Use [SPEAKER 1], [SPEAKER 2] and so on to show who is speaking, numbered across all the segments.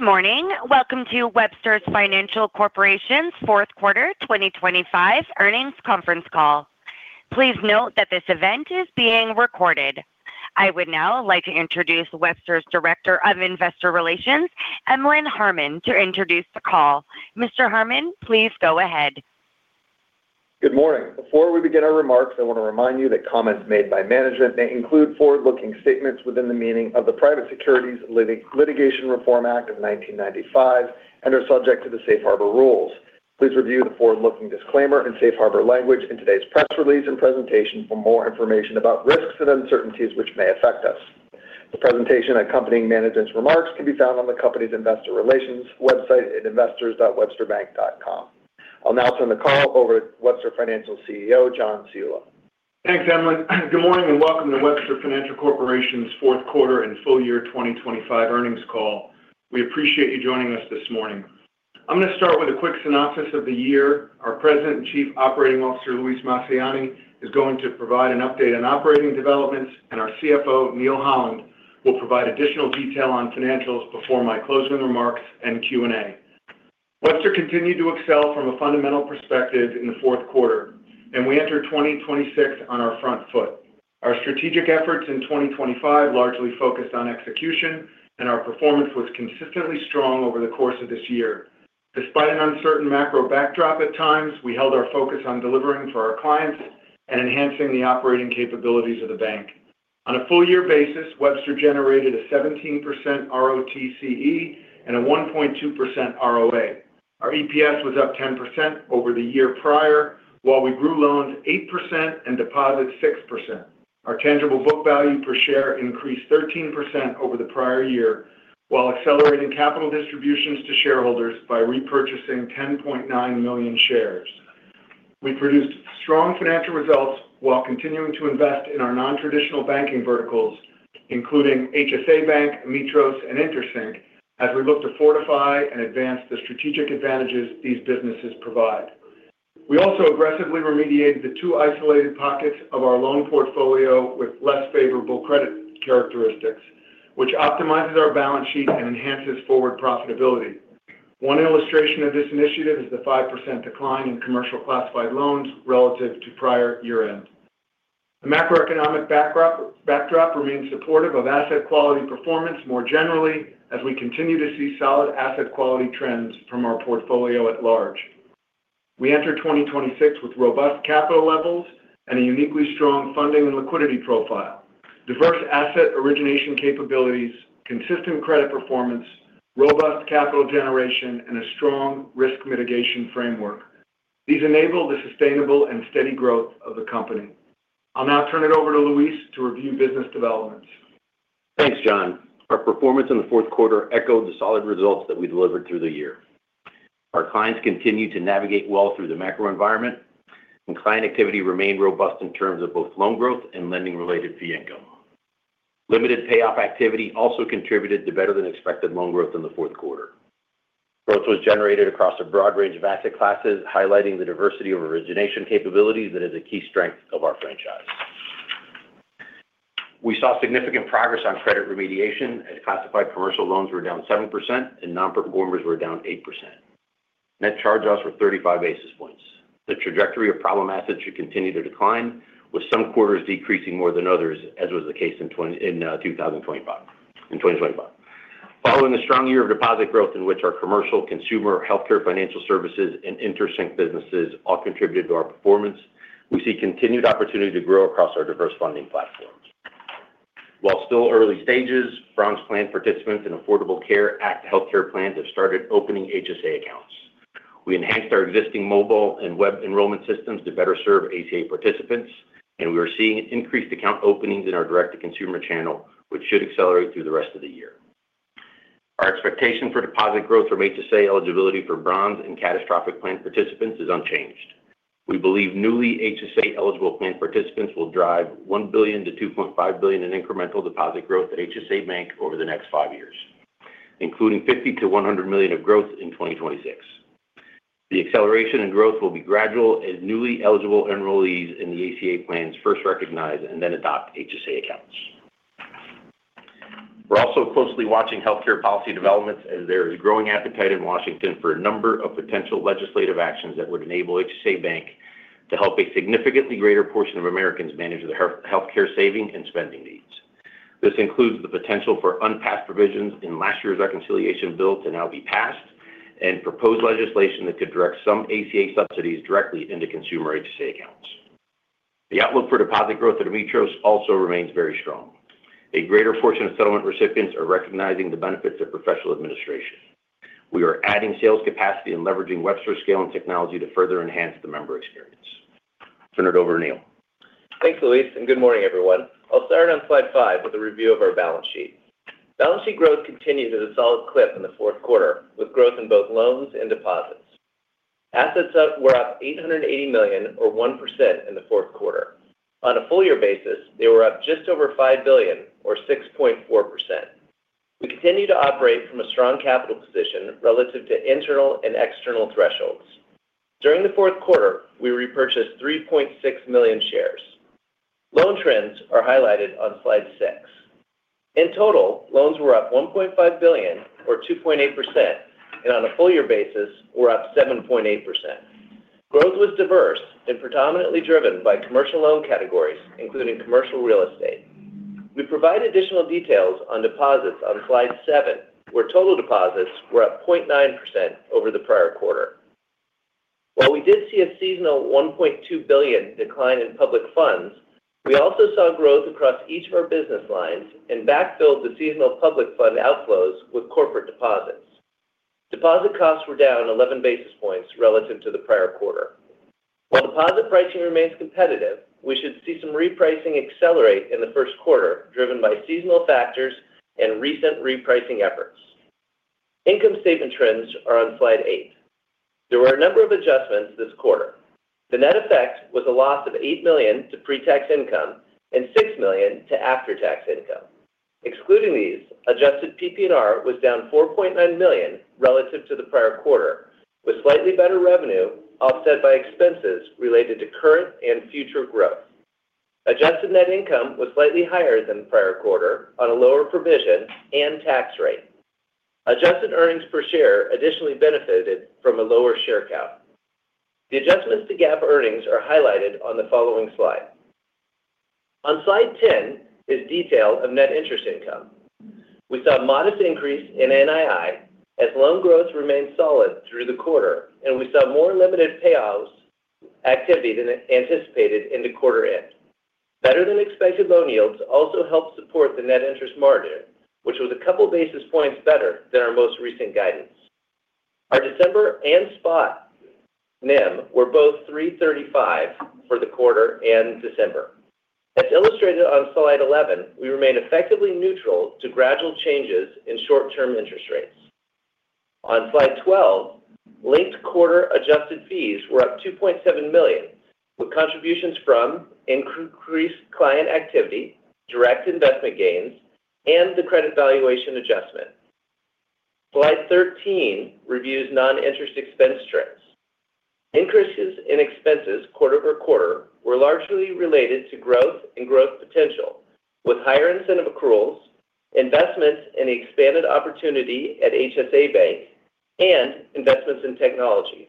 [SPEAKER 1] Good morning. Welcome to Webster Financial Corporation's fourth quarter 2025 earnings conference call. Please note that this event is being recorded. I would now like to introduce Webster's Director of Investor Relations, Emlen Harmon to introduce the call. Mr. Harmon, please go ahead.
[SPEAKER 2] Good morning. Before we begin our remarks, I want to remind you that comments made by management may include forward-looking statements within the meaning of the Private Securities Litigation Reform Act of 1995 and are. Subject to the safe harbor rules. Please review the forward-looking disclaimer and safe harbor language in today's press release and presentation for more information about risks and uncertainties which may affect us. The presentation accompanying Management's remarks can be found on the Company's investor relations website at investors.websterbank.com. I'll now turn the call over to Webster Financial CEO John Ciulla.
[SPEAKER 3] Thanks, Emlen. Good morning and welcome to Webster Financial Corporation's fourth quarter and full year 2025 earnings call. We appreciate you joining us this morning. I'm going to start with a quick synopsis of the year. Our President and Chief Operating Officer Luis Massiani is going to provide an update on operating developments and our CFO Neal Holland will provide additional detail on financials before my closing remarks and Q&A. Webster continued to excel from a fundamental perspective in the fourth quarter and we entered 2026 on our front foot. Our strategic efforts in 2025 largely focused on execution and our performance was consistently strong over the course of this year despite an uncertain macro backdrop. At times we held our focus on delivering for our clients and enhancing the operating capabilities of the bank. On a full-year basis, Webster generated a 17% ROTCE and a 1.2% ROA. Our EPS was up 10% over the year prior while we grew loans 8% and deposits 6%. Our tangible book value per share increased 13% over the prior year while accelerating capital distributions to shareholders by repurchasing 10.9 million shares. We produced strong financial results while continuing to invest in our non-traditional banking verticals including HSA Bank, Ametros and InterSync. As we look to fortify and advance the strategic advantages these businesses provide, we also aggressively remediated the 2 isolated pockets of our loan portfolio with less favorable credit characteristics which optimizes our balance sheet and enhances forward profitability. One illustration of this initiative is the 5% decline in commercial classified loans relative to prior year end. The macroeconomic backdrop remains supportive of asset quality performance more generally as we continue to see solid asset quality trends from our portfolio at large. We enter 2026 with robust capital levels and a uniquely strong funding and liquidity profile, diverse asset origination capabilities, consistent credit performance, robust capital generation and a strong risk mitigation framework. These enable the sustainable and steady growth of the company. I'll now turn it over to Luis to review business developments.
[SPEAKER 4] Thanks John. Our performance in the fourth quarter echoed the solid results that we delivered through the year. Our clients continue to navigate well through the macro environment and client activity remained robust in terms of both loan growth and lending related fee income. Limited payoff activity also contributed to better than expected loan growth in the fourth quarter. Growth was generated across a broad range of asset classes, highlighting the diversity of origination capabilities that is a key strength of our franchise. We saw significant progress on credit remediation as classified commercial loans were down 7% and nonperformers were down 8%. Net charge-offs were 35 basis points. The trajectory of problem assets should continue to decline with some quarters decreasing more than others as was the case in 2020 in 2025 in 2025, following the strong year of deposit growth in which our commercial, consumer, healthcare, financial services and InterSync businesses all contributed to our performance. We see continued opportunity to grow across our diverse funding platforms while still early stages Bronze Plan participants in Affordable Care Act healthcare plans have started opening HSA accounts. We enhanced our existing mobile and web enrollment systems to better serve ACA participants and we are seeing increased account openings in our direct to consumer channel which should accelerate through the rest of the year. Our expectation for deposit growth from HSA eligibility for Bronze and Catastrophic plan participants is unchanged. We believe newly HSA eligible plan participants will drive $1 billion-$2.5 billion in incremental deposit growth at HSA Bank over the next five years, including $50 million-$100 million of growth in 2026. The acceleration and growth will be gradual as newly eligible enrollees in the ACA plans first recognize and then adopt HSA accounts. We're also closely watching healthcare policy developments as there is growing appetite in Washington for a number of potential legislative actions that would enable HSA Bank to help a significantly greater portion of Americans manage their health care saving and spending needs. This includes the potential for unpassed provisions in last year's reconciliation bill to now be passed and proposed legislation that could direct some ACA subsidies directly into consumer HSA accounts. The outlook for deposit growth at Ametros also remains very strong. A greater portion of settlement recipients are recognizing the benefits of professional administration. We are adding sales capacity and leveraging Webster's scale and technology to further enhance the member experience. Turn it over to Neal.
[SPEAKER 5] Thanks Luis and good morning everyone. I'll start on slide 5 with a review of our balance sheet. Balance sheet growth continued at a solid clip in the fourth quarter with growth in both loans and deposits. Assets were up $880 million or 1% in the fourth quarter. On a full year basis they were up just over $5 billion or 6.4%. We continue to operate from a strong capital position relative to internal and external thresholds. During the fourth quarter we repurchased 3.6 million shares. Loan trends are highlighted on slide 6. In total, loans were up $1.5 billion or 2.8% and on a full year basis were up 7.8%. Growth was diverse and predominantly driven by commercial loan categories including commercial real estate. We provide additional details on deposits on slide 7 where total deposits were up 0.9% over the prior quarter. While we did see a seasonal $1.2 billion decline in public funds, we also saw growth across each of our business lines and backfilled the seasonal public fund outflows with corporate deposits. Deposit costs were down 11 basis points relative to the prior quarter. While deposit pricing remains competitive, we should see some repricing accelerate in the first quarter driven by seasonal factors and recent repricing efforts. Income statement trends are on slide 8. There were a number of adjustments this quarter. The net effect was a loss of $8 million to pre-tax income and $6 million to after-tax income. Excluding these, adjusted PPNR was down $4.9 million relative to the prior quarter with slightly better revenue offset by expenses related to current and future growth. Adjusted net income was slightly higher than the prior quarter on a lower provision and tax rate. Adjusted earnings per share additionally benefited from a lower share count. The adjustments to GAAP earnings are highlighted on the following slide. On slide 10 is detail of net interest income. We saw a modest increase in NII as loan growth remained solid through the quarter and we saw more limited payoffs activity than anticipated into quarter end. Better than expected. Loan yields also helped support the net interest margin which was a couple basis points better than our most recent guidance. Our December and spot NIM were both 3.35 for the quarter and December as illustrated on slide 11. We remain effectively neutral to gradual changes in short term interest rates. On slide 12, linked quarter adjusted fees were up $2.7 million with contributions from increased client activity, direct investment gains and the credit valuation adjustment. Slide 13 reviews non interest expense trends. Increases in expenses quarter-over-quarter were largely related to growth and growth potential with higher incentive accruals. Investments in the expanded opportunity at HSA Bank and investments in technology.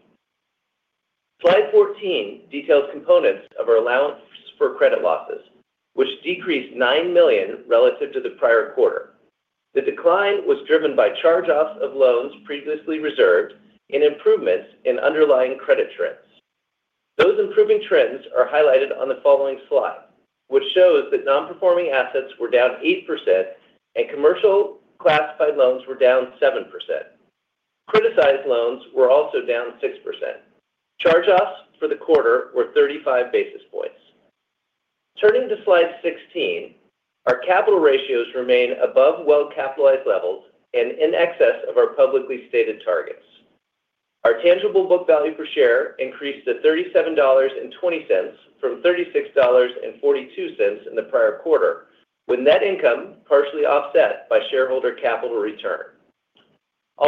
[SPEAKER 5] Slide 14 details components of our allowance for credit losses which decreased $9 million relative to the prior quarter. The decline was driven by charge-offs of loans previously reserved and improvements in underlying credit trends. Those improving trends are highlighted on the following slide, which shows that non-performing assets were down 8% and commercial classified loans were down 7%. Criticized loans were also down 6%. Charge-offs for the quarter were 35 basis points. Turning to Slide 16, our capital ratios remain above well capitalized levels and in excess of our publicly stated targets. Our tangible book value per share increased to $37.20 from $36.42 in the prior quarter with net income partially offset by shareholder capital return. I'll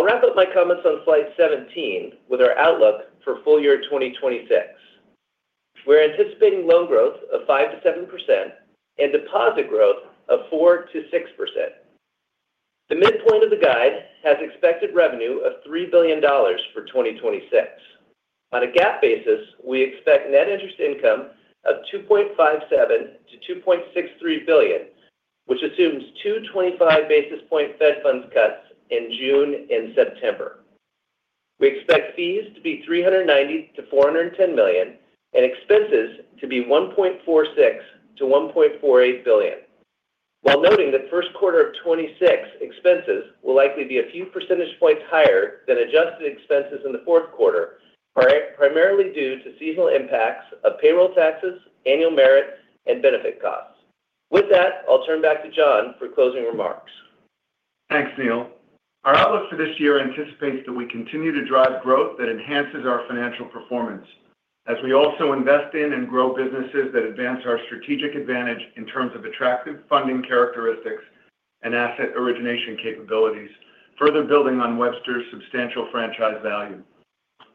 [SPEAKER 5] wrap up my comments on slide 17 with our outlook for full year 2026. We're anticipating loan growth of 5%-7% and deposit growth of 4%-6%. The midpoint of the guide has expected revenue of $3 billion for 2026. On a GAAP basis. We expect net interest income of $2.57 billion-$2.63 billion, which assumes 225 basis points Fed funds cuts in June and September. We expect fees to be $390 million-$410 million and expenses to be $1.46 billion-$1.48 billion, while noting that first quarter of 2026 expenses will likely be a few percentage points higher than adjusted expenses in the fourth quarter, primarily due to seasonal impacts of payroll taxes, annual merit and benefit costs. With that, I'll turn back to John for closing remarks.
[SPEAKER 3] Thanks, Neal. Our outlook for this year anticipates that we continue to drive growth that enhances our financial performance as we also invest in and grow businesses that advance our strategic advantage in terms of attractive funding characteristics and asset origination capabilities. Further building on Webster's substantial franchise value.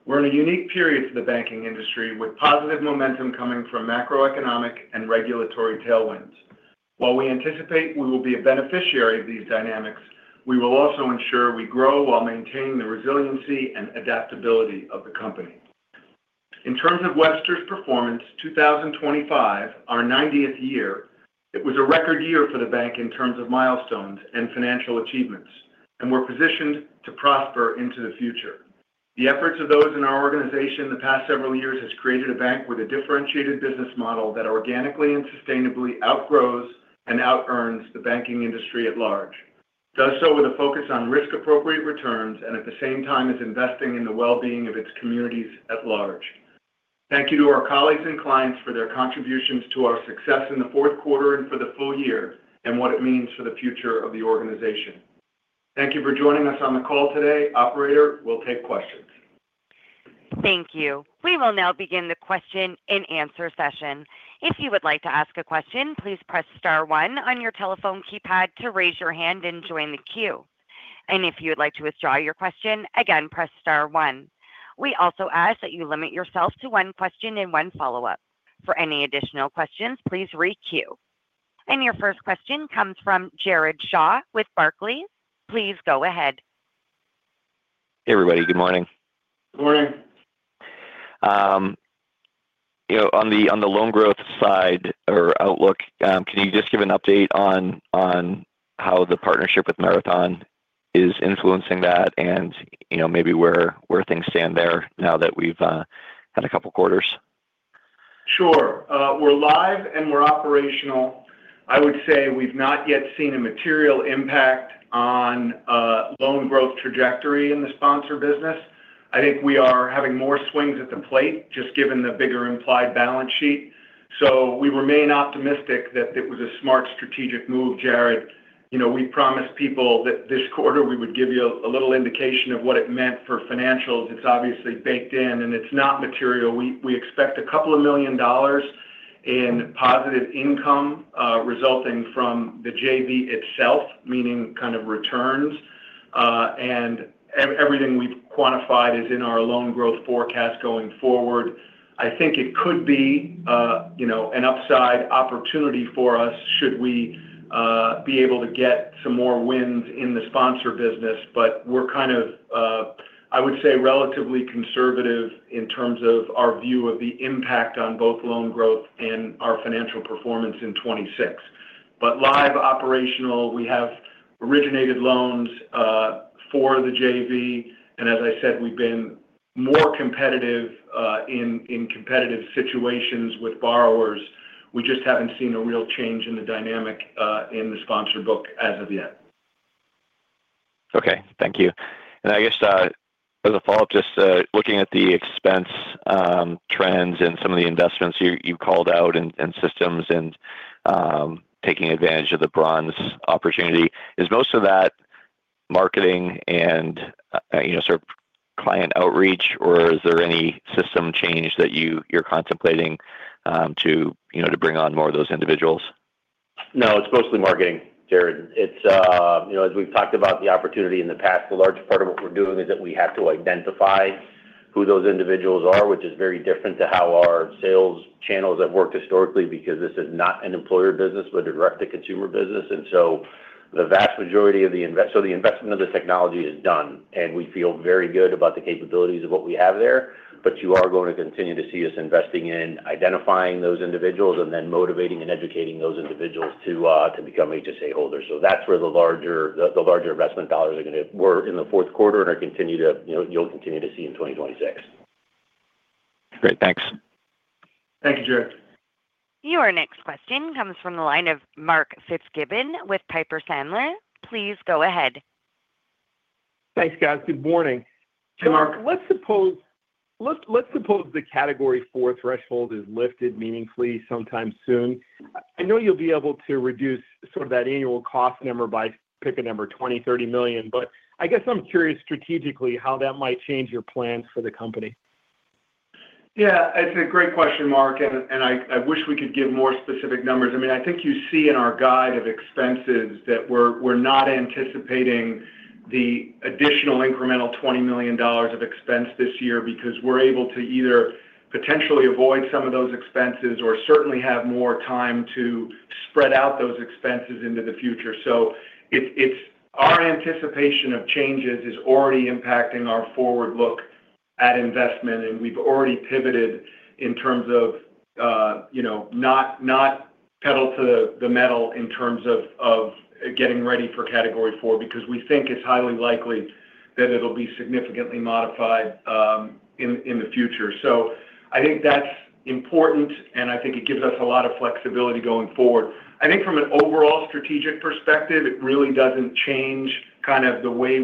[SPEAKER 3] We're in a unique period for the. Banking industry with positive momentum coming from macroeconomic and regulatory tailwinds. While we anticipate we will be a beneficiary of these dynamics, we will also ensure we grow while maintaining the resiliency and adaptability of the company. In terms of Webster's Performance 2025, our 90th year. It was a record year for the bank in terms of milestones and financial achievements, and we're positioned to prosper into the future. The efforts of those in our organization the past several years has created a bank with a differentiated business model that organically and sustainably outgrows and out earns the banking industry at large, does so with a focus on risk appropriate returns, and at the same time is investing in the well being of its communities at large. Thank you to our colleagues and clients for their contributions to our success in the fourth quarter and for the full year and what it means for the future of the organization. Thank you for joining us on the call today. Operator. We'll take questions.
[SPEAKER 1] Thank you. We will now begin the question-and-answer session. If you would like to ask a question, please press star one on your telephone keypad to raise your hand and join the queue. And if you would like to withdraw your question again, press star one. We also ask that you limit yourself to one question and one follow up. For any additional questions, please re queue. And your first question comes from Jared Shaw with Barclays. Please go ahead.
[SPEAKER 6] Hey everybody. Good morning.
[SPEAKER 5] Good morning.
[SPEAKER 6] You know, on the loan growth side or outlook, can you just give an update on how the partnership with Marathon is influencing that and you know, maybe where things stand there now that we've had a couple quarters?
[SPEAKER 3] Sure. We're live and we're operational. I would say we've not yet seen a material impact on loan growth trajectory in the sponsor business. I think we are having more swings at the plate just given the bigger implied balance sheet. So we remain optimistic that it was a smart strategic move. Jared, you know, we promised people that this quarter we would give you a little indication of what it meant for financials. It's obviously baked in and it's not material. We expect $2 million in positive income resulting from the JV itself, meaning kind of returns. And everything we've quantified is in our loan growth forecast going forward. I think it could be, you know, an upside opportunity for us should we be able to get some more wins in the sponsor business. But we're kind of, I would say, relatively conservative in terms of our view of the impact on both loan growth and our financial performance in 2026. But live operational, we have originated loans for the JV and as I said, we've been more competitive in competitive situations with borrowers. We just haven't seen a real change in the dynamic in the sponsor book as of yet.
[SPEAKER 6] Okay, thank you. And I guess as a follow up, just looking at the expense trends and some of the investments you called out in systems and taking advantage of the Bronze opportunity. Is most of that marketing and client outreach or is there any system change that you're contemplating to bring on more of those individuals?
[SPEAKER 3] No, it's mostly marketing, Jared. It's, you know, as we've talked about the opportunity in the past, a large part of what we're doing is that we have to identify who those individuals are, which is very different to how our sales channels have worked historically because this is not an employer business, but direct to consumer business. And so the vast majority of the investment of the technology is done and we feel very good about the capabilities of what we have there. But you are going to continue to see us investing in identifying those individuals and then motivating and educating those individuals to become HSA holders. So that's where the larger investment dollars are going to go in the fourth quarter and continue to, you know, you'll continue to see in 2026.
[SPEAKER 6] Great, thanks.
[SPEAKER 5] Thank you.
[SPEAKER 1] Jared, your next question comes from the line of Mark Fitzgibbon with Piper Sandler. Please go ahead.
[SPEAKER 7] Thanks guys. Good morning. Mark, let's suppose, let's suppose the Category IV threshold is lifted meaningfully sometime soon. I know you'll be able to reduce sort of that annual cost number by pick a number, $20 million, $30 million. But I guess I'm curious strategically how that might change your plans for the company.
[SPEAKER 5] Yeah, it's a great question, Mark, and I wish we could give more specific numbers. I mean, I think you see in our guide of expenses that we're not anticipating the additional incremental $20 million of expense this year because we're able to either potentially avoid some of those expenses or certainly have more time to spread out those expenses into the future. So, it's our anticipation of changes is already impacting our forward look at investment, and we've already pivoted in terms of, you know, not pedal to the metal in terms of getting ready for Category IV because we think it's highly likely that it'll be significantly modified in the future. So, I think that's important, and I think it gives us a lot of flexibility going forward. I think from an overall strategic perspective, it really doesn't change kind of the way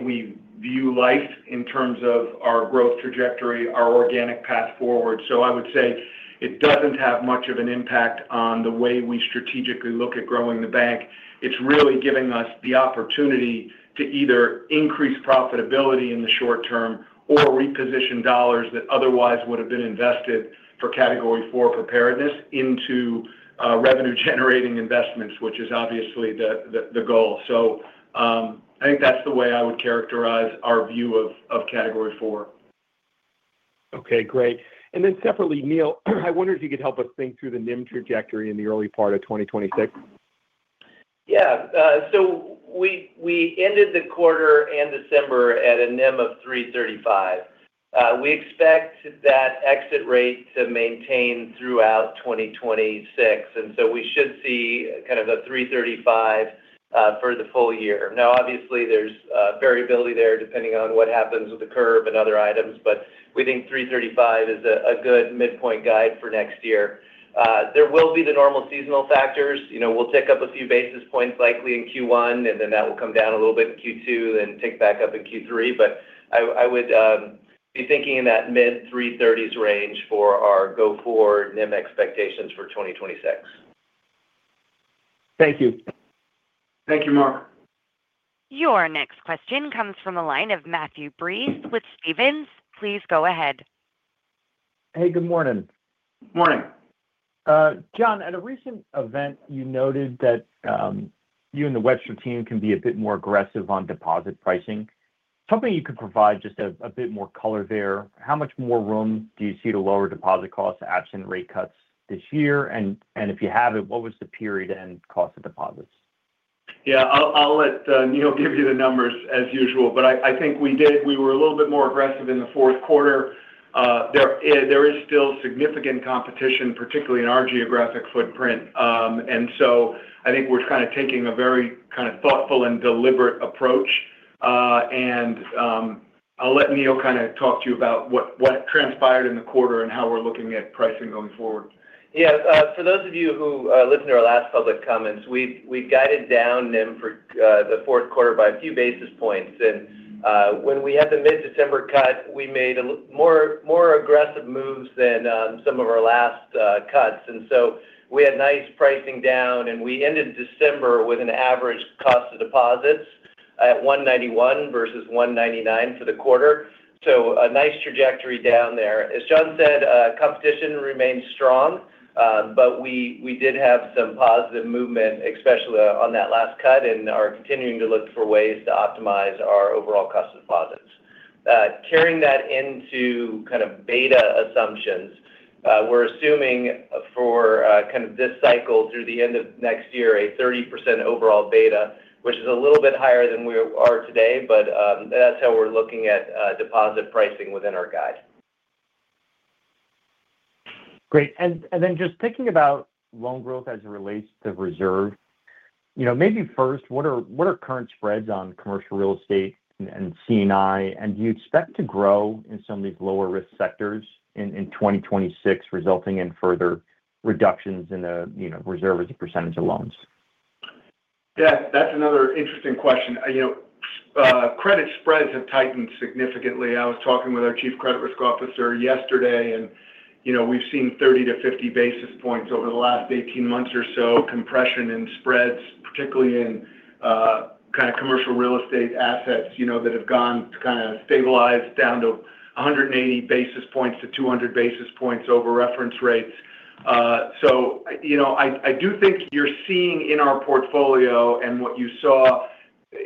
[SPEAKER 5] we view life in terms of our growth trajectory, our organic path forward. So, I would say it doesn't have much of an impact on the way we strategically look at growing the bank. It's really giving us the opportunity to either increase profitability in the short term or reposition dollars that otherwise would have been invested for Category IV preparedness into revenue generating investments, which is obviously the goal. So I think that's the way I would characterize our view of Category IV.
[SPEAKER 7] Okay, great. And then separately, Neal, I wonder if you could help us think through the NIM trajectory in the early part of 2026.
[SPEAKER 5] Yeah. So we ended the quarter and December at a NIM of 335. We expect that exit rate to maintain throughout 2026, and so we should see kind of a 335 for the full year. Now, obviously there's variability there depending on what happens with the curve and other items, but we think 335 is a good midpoint guide for next year. There will be the normal seasonal factors. You know, we'll tick up a few basis points, likely in Q1, and then that will come down a little bit in Q2 and tick back up in Q3. But I would be thinking in that mid-330s range for our go forward NIM expectations for 2026.
[SPEAKER 7] Thank you.
[SPEAKER 3] Thank you, Mark.
[SPEAKER 1] Your next question comes from the line of Matthew Breese with Stephens. Please go ahead.
[SPEAKER 8] Hey, good morning. Morning, John. At a recent event, you noted that you and the Webster team can be. A bit more aggressive on deposit pricing. Something you could provide just a bit more color there. How much more room do you see to lower deposit costs absent rate cuts this year? And if you have it, what was the period end cost of deposits?
[SPEAKER 3] Yeah, I'll let Neal give you the numbers as usual. But I think we did. We were a little bit more aggressive in the fourth quarter. There is still significant competition, particularly in our geographic footprint. And so I think we're kind of taking a very kind of thoughtful and deliberate approach. And I'll let Neal kind of talk to you about what transpired in the quarter and how we're looking at pricing going forward.
[SPEAKER 5] Yeah. For those of you who listened to our last public comments, we guided down NIM for the fourth quarter by a few basis points. And when we had the mid-December cut, we made more aggressive moves than some of our last cuts. And so we had nice pricing down and we ended December with an average cost of deposits at 1.91 versus 1.99 for the quarter. So a nice trajectory down there. As John said, competition remains strong, but we did have some positive movement, especially on that last cut in our continuing to look for ways to optimize our overall cost of deposits, carrying that into kind of beta assumptions. We're assuming for kind of this cycle through the end of next year, a 30% overall beta, which is a little bit higher than we are today, but that's how we're looking at deposit pricing within our guide.
[SPEAKER 8] Great. And then just thinking about loan growth. As it relates to reserve. You know, maybe first, what... Are current spreads on Commercial Real Estate and C&I? Do you expect to grow in some of these lower risk sectors in 2026, resulting in further reductions in the reserve as a percentage of loans?
[SPEAKER 3] Yeah, that's another interesting question. You know, credit spreads have tightened significantly. I was talking with our chief credit risk officer yesterday, and, you know, we've seen 30-50 basis points over the last 18 months or so, compression in spreads, particularly in kind of commercial real estate assets, you know, that have gone kind of stabilized down to 180 basis points to 200 basis points over reference rates. So, you know, I do think you're seeing in our portfolio and what you saw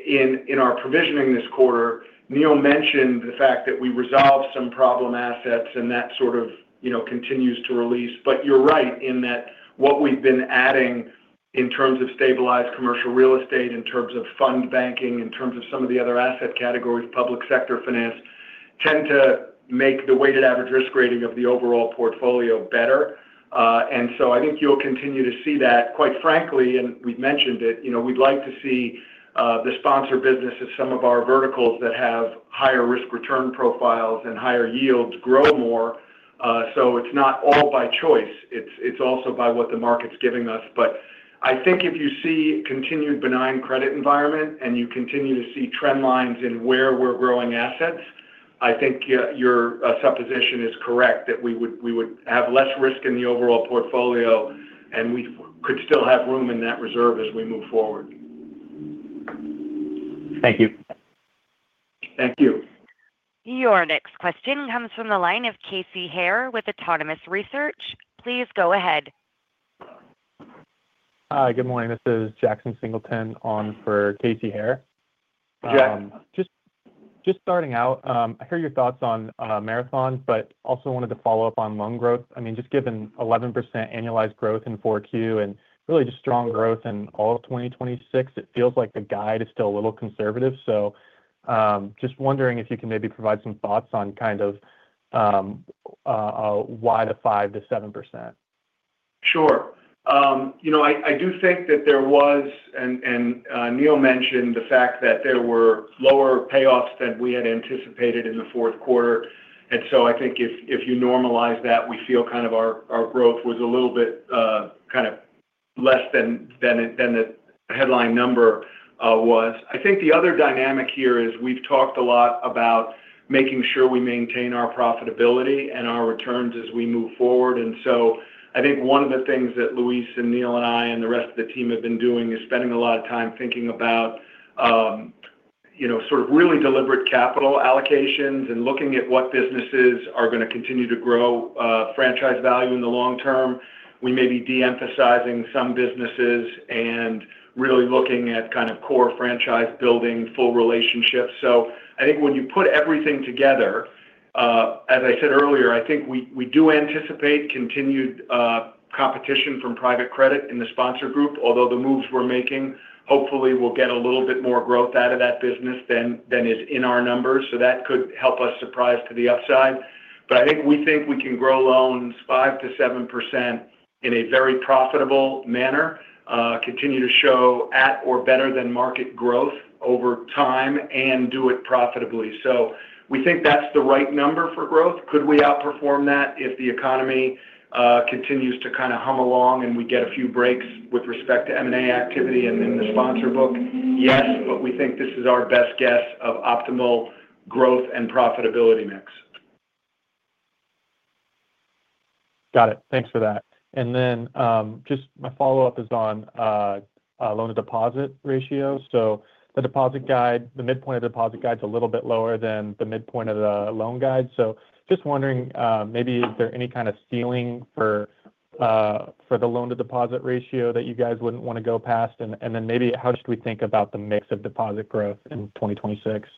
[SPEAKER 3] in our provisioning this quarter, Neal mentioned the fact that we resolved some problem assets and that sort of, you know, continues to release. But you're right in that what we've been adding in terms of stabilized commercial real estate, in terms of fund banking, in terms of some of the other asset categories, public sector finance, tend to make the weighted average risk rating of the overall portfolio better. And so I think you'll continue to see that, quite frankly, and we've mentioned it, you know, we'd like to see the sponsor business of some of our verticals that have higher risk return profiles and higher yields grow more. So it's not all by choice. It's also by what the market's giving us. But I think if you see continued benign credit environment and you continue to see trend lines in where we're growing assets, I think your supposition is correct that we would have less risk in the overall portfolio and we could still have room in that reserve as we move forward.
[SPEAKER 8] Thank you.
[SPEAKER 3] Thank you.
[SPEAKER 1] Your next question comes from the line of Casey Haire with Autonomous Research. Please go ahead.
[SPEAKER 9] Hi, good morning. This is Jackson Singleton on for Casey Haire. Just starting out. I hear your thoughts on Marathon, but also wanted to follow up on loan growth. I mean, just given 11% annualized growth in 4Q and A, really just strong growth in all of 2026, it feels like the guide is still a little conservative. So just wondering if you can maybe provide some thoughts on kind of why the 5%-7%?
[SPEAKER 3] Sure. You know, I do think that there was, and Neil mentioned the fact that there were lower payoffs than we had anticipated in the fourth quarter. So I think if you normalize that, we feel kind of our growth was a little bit kind of less than the headline number was. I think the other dynamic here is we've talked a lot about making sure we maintain our profitability and our returns as we move forward. So I think one of the things that Luis and Neil and I and the rest of the team have been doing is spending a lot of time thinking about, you know, sort of really deliberate capital allocations and looking at what businesses are going to continue to grow franchise value in the long term. We may be de-emphasizing some businesses and really looking at kind of core franchise building full relationships. So I think when you put everything together, as I said earlier, I think we do anticipate continued competition from private credit in the sponsor group. Although the moves we're making, hopefully we'll get a little bit more growth out of that business than is in our numbers. So that could help us surprise to the upside. But I think we think we can grow loans 5%-7% in a very profitable manner, continue to show at or better than market growth over time, and do it profitably. So we think that's the right number for growth. Could we outperform that if the economy continues to kind of hum along and we get a few breaks with respect to M&A activity and in the sponsor book? Yes. We think this is our best guess of optimal growth and profitability mix.
[SPEAKER 9] Got it. Thanks for that. And then just my follow up is. On loan to deposit ratio. So the deposit guide, the midpoint of deposit guide's a little bit lower than the midpoint of the loan guide. So just wondering maybe is there any kind of ceiling for the loan to deposit ratio that you guys wouldn't want to go past and then maybe how. Should we think about the mix of deposit growth in 2026?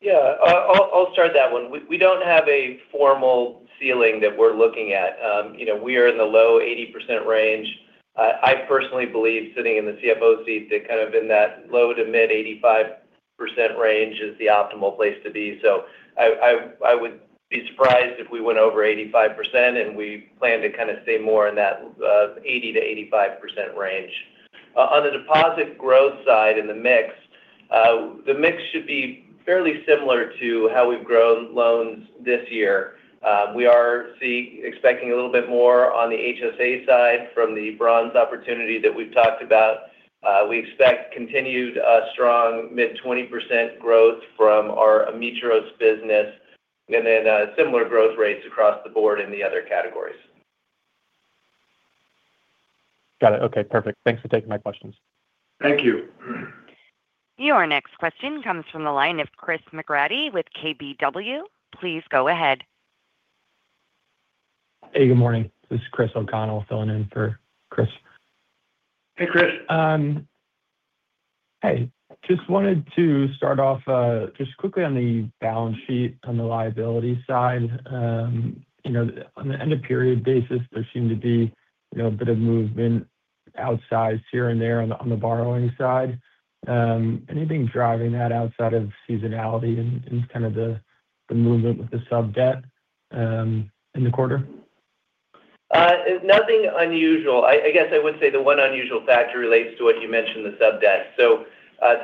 [SPEAKER 5] Yeah, I'll start that one. We don't have a formal ceiling that we're looking at. You know, we are in the low 80% range. I personally believe sitting in the CFO seat that kind of in that low- to mid-85% range is the optimal place to be. So I would be surprised if we went over 85% and we plan to kind of stay more in that 80%-85% range. On the deposit growth side in the mix, the mix should be fairly similar to how we've grown loans this year. We are expecting a little bit more on the HSA side from the Bronze opportunity that we've talked about. We expect continued strong mid-20% growth from our Ametros business and then similar growth rates across the board in the other categories.
[SPEAKER 9] Got it. Okay, perfect. Thanks for taking my questions.
[SPEAKER 3] Thank you.
[SPEAKER 1] Your next question comes from the line of Chris McGratty with KBW. Please go ahead.
[SPEAKER 10] Hey, good morning. This is Chris O'Connell filling in for Chris.
[SPEAKER 3] Hey, Chris.
[SPEAKER 10] Hey. Just wanted to start off just quickly on the balance sheet. On the liability side, you know, on the end of period basis there seemed to be a bit of movement outsized here and there on the borrowing side. Anything driving that outside of seasonality and kind of the movement with the sub debt in the quarter?
[SPEAKER 5] Nothing unusual, I guess I would say the one unusual factor relates to what you mentioned, the sub debt. So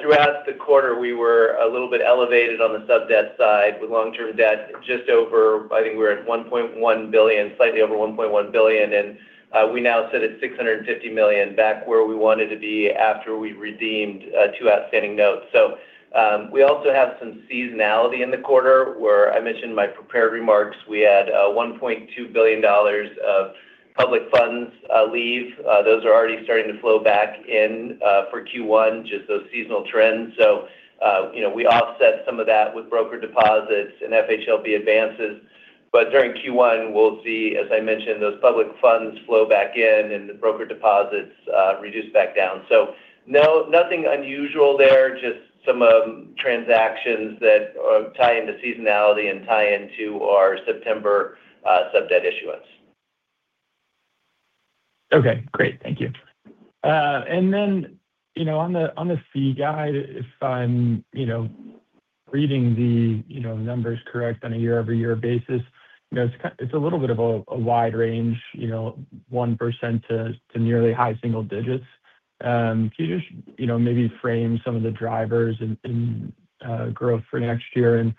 [SPEAKER 5] throughout the quarter we were a little bit elevated on the sub debt side with a long term debt just over, I think we're at $1.1 billion, slightly over $1.1 billion and we now sit at $650 million back where we wanted to be after we redeemed two outstanding notes. So we also have some seasonality in the quarter where I mentioned my prepared remarks, we had $1.2 billion of public funds leave. Those are already starting to flow back in for Q1 just so see seasonal trend. So you know, we offset some of that with broker deposits and FHLB advances. But during Q1 we'll see, as I mentioned, those public funds flow back in and the broker deposits reduce back down. Nothing unusual there, just some transactions that tie into seasonality and tie into our September sub debt issuance.
[SPEAKER 10] Okay, great, thank you. Then you know, on the, on the fee guide, if I'm, you know, reading the, you know, numbers correct on a year-over-year basis, you know, it's a little bit of a wide. range, you know, 1% to nearly high single digits. Can you just, you know, maybe frame? Some of the drivers in growth for. Next year and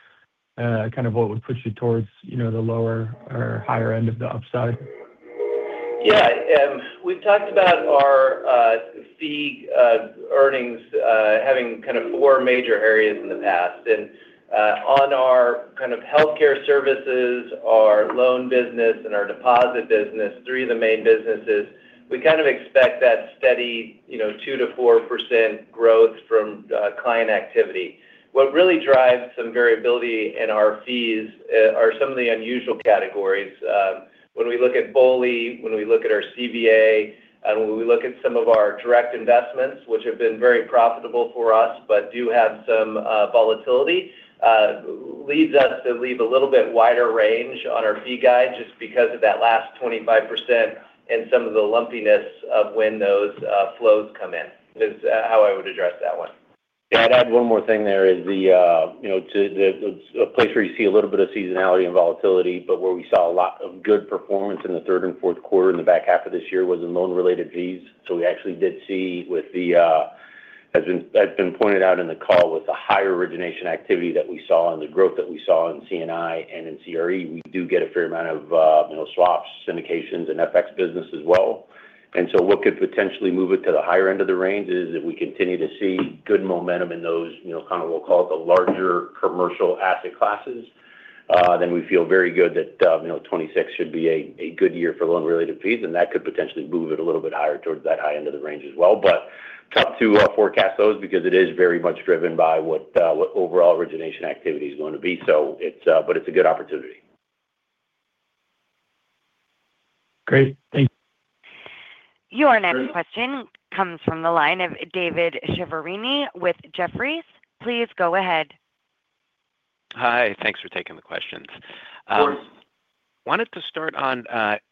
[SPEAKER 10] kind of what would put you towards, you know, the lower. Or higher end of the upside?
[SPEAKER 5] Yeah, we've talked about our fee earnings having kind of 4 major areas in the past. On our kind of healthcare services, our loan business and our deposit business, 3 of the main businesses, we kind of expect that steady, you know, 2%-4% growth from client activity. What really drives some variability in our fees are some of the unusual categories. When we look at BOLI, when we look at our CVA and when we look at some of our direct investments which have been very profitable for us, but do have some volatility leads us to leave a little bit wider range on our fee guide just because of that last 25% and some of the lumpiness of when those flows come in is how I would address that one.
[SPEAKER 4] Yeah, I'd add one more thing. There is the, you know, a place where you see a little bit of seasonality and volatility but where we saw a lot of good performance in the third and fourth quarter in the back half of this year was in loan-related fees. So we actually did see with the, as has been pointed out in the call, with the higher origination activity that we saw and the growth that we saw in C&I and in CRE, we do get a fair amount of swaps, syndications and FX business as well. So what could potentially move it to the higher end of the range is if we continue to see good momentum in those, you know, kind of, we'll call it the larger commercial asset classes, then we feel very good that 2026 should be a good year for loan related fees and that could potentially move it a little bit higher towards that high end of the range as well. But tough to forecast those because it is very much driven by what overall origination activity is going to be. But it's a good opportunity.
[SPEAKER 10] Great, thank you.
[SPEAKER 1] Your next question comes from the line of David Chiaverini with Jefferies. Please go ahead.
[SPEAKER 11] Hi, thanks for taking the questions. Wanted to start on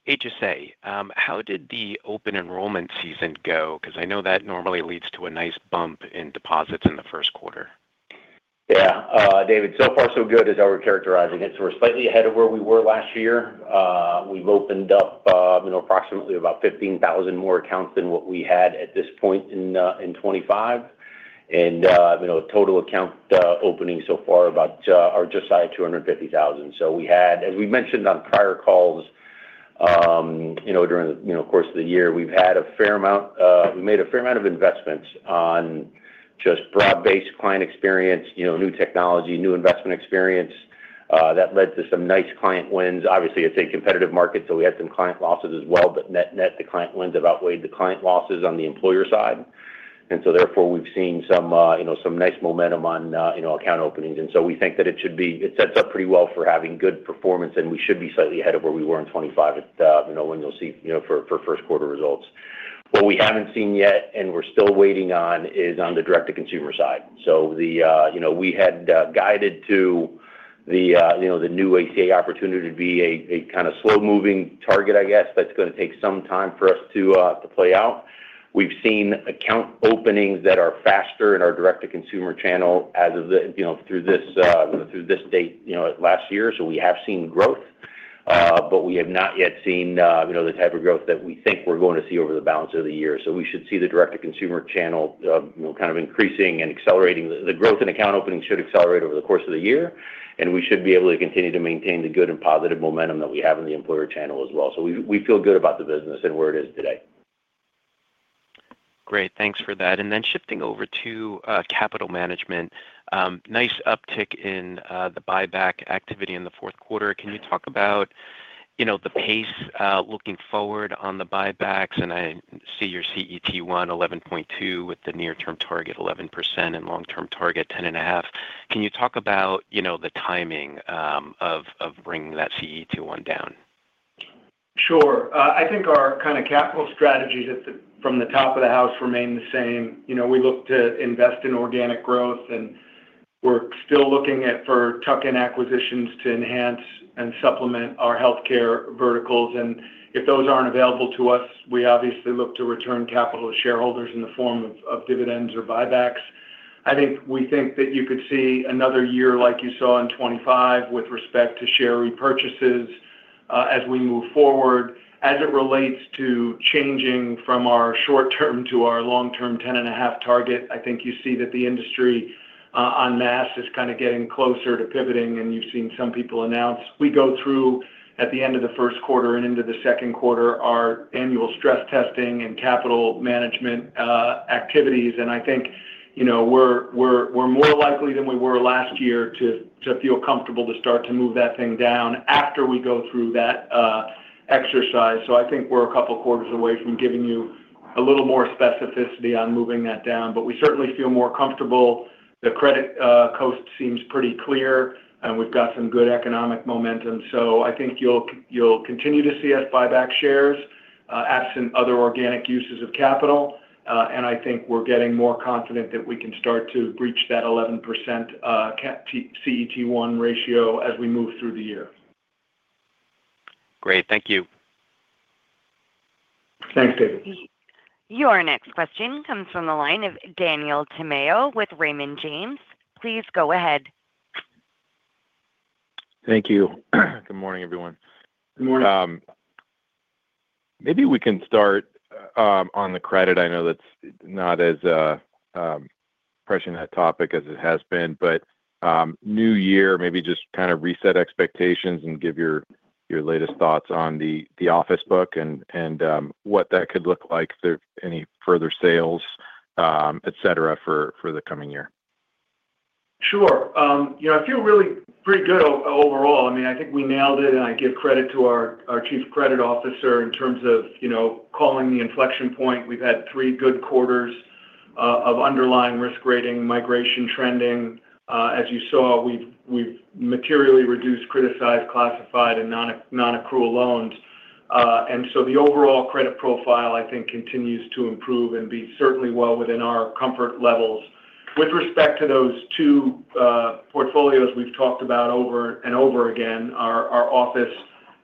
[SPEAKER 11] HSA. How did the open enrollment season go? Because I know that normally leads to a nice bump in deposits in the first quarter.
[SPEAKER 4] Yeah, David, so far so good is how we're characterizing it. So we're slightly ahead of where we were last year. We've opened up approximately about 15,000 more accounts than what we had at this point in 2025 and total account opening so far about, or just shy of 250,000. So we had, as we mentioned on prior calls, during the course of the year we've had a fair amount, we made a fair amount of investments on just broad-based client experience, new technology, new investment experience that led to some nice client wins. Obviously it's a competitive market so we had two client losses as well. But net, net the client wins have outweighed the client losses on the employer side. And so therefore we've seen some, you know, some nice momentum on, you know, account openings. And so we think that it should be. It sets up pretty well for having good performance, and we should be slightly ahead of where we were in 2025, you know, when you'll see, you know, for first quarter results. What we haven't seen yet and we're still waiting on is on the direct to consumer side. So the, you know, we had guided to the, you know, the new ACA opportunity to be a kind of slow moving target. I guess that's going to take some time for us to play out. We've seen account openings that are faster in our direct to consumer channel as of, you know, through this date, you know, last year. So we have seen growth, but we have not yet seen, you know, the type of growth that we think we're going to see over the balance of the year. We should see the direct to consumer channel, you know, kind of increase. The growth in account opening should accelerate over the course of the year and we should be able to continue to maintain the good and positive momentum that we have in the employer channel as well. We feel good about the business and where it is today. Great, thanks for that. Shifting over to capital management.
[SPEAKER 11] Nice uptick in the buyback activity in the fourth quarter. Can you talk about, you know, the? Pace looking forward on the buybacks. And. I saw your CET1 11.2 with the near-term target 11% and long-term target 10.5. Can you talk about, you know, the timing of bringing that CET1 down?
[SPEAKER 3] Sure. I think our kind of capital strategies from the top of the house remain the same. You know, we look to invest in organic growth and we're still looking at, for tuck-in acquisitions to enhance and supplement our healthcare verticals. If those aren't available to us, we obviously look to return capital to shareholders in the form of dividends or buybacks. I think we think that you could see another year like you saw in 2025 with respect to share repurchases as we move forward. As it relates to changing from our short term to our long term 10.5 target, I think you see that the industry en masse is kind of getting closer to pivoting. You've seen some people announce, we go through at the end of the first quarter and into the second quarter, our annual stress testing and capital management activities. And I think, you know, we're more likely than we were last year to feel comfortable to start to move that thing down after we go through that exercise. So I think we're a couple quarters away from giving you a little more specificity on moving that down, but we certainly feel more comfortable. The credit costs seem pretty clear and we've got some good economic momentum. So I think you'll continue to see us buy back shares absent other organic uses of capital. And I think we're getting more confident that we can start to breach that 11% CET1 ratio as we move through the year.
[SPEAKER 11] Great, thank you.
[SPEAKER 5] Thanks. David.
[SPEAKER 1] Your next question comes from the line of Daniel Tamayo with Raymond James. Please go ahead.
[SPEAKER 12] Thank you. Good morning, everyone.
[SPEAKER 3] Good Morning.
[SPEAKER 12] Maybe we can start on the credit. I know that's not as pressing that topic as it has been, but new year, maybe just kind of reset expectations and give your latest thoughts on the office book and what that could look like, any further sales, et cetera, for the coming year.
[SPEAKER 3] Sure. You know, I feel really pretty good overall. I mean, I think we nailed it and I give credit to our chief credit officer in terms of, you know, calling the inflection point. We've had three good quarters of underlying risk rating migration trending. As you saw, we've materially reduced criticized, classified, and non-accrual loans. And so the overall credit profile I think continues to improve and be certainly well within our comfort levels. With respect to those two portfolios we've talked about over and over again, our office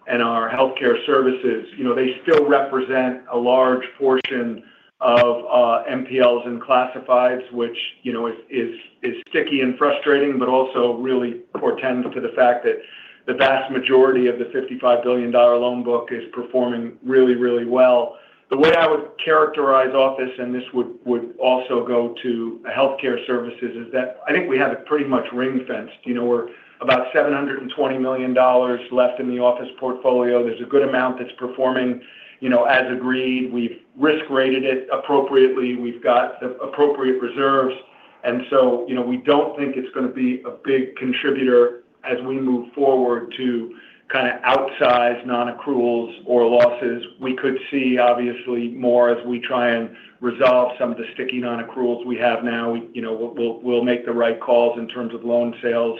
[SPEAKER 3] and our healthcare services, you know, they still represent a large portion of NPLs and classifieds, which you know, is sticky and frustrating but also really portends to the fact that the vast majority of the $55 billion loan book is performing really, really well. The way I would characterize office and this would also go to healthcare services is that I think we have it pretty much ring fenced. You know, we're about $720 million left in the office portfolio. There's a good amount that's performing, you know, as agreed. We've risk rated it appropriately, we've got the appropriate reserves and so, you know, we don't think it's going to be a big contributor as we move forward to kind of outsize non-accruals or losses. We could see obviously more as we try and resolve some of the sticky non-accruals we have now. You know, we'll make the right calls in terms of loan sales